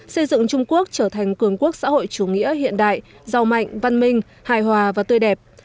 xây dựng trung quốc trở thành cường quốc xã hội chủ nghĩa hiện đại giàu mạnh văn minh hài hòa và tươi đẹp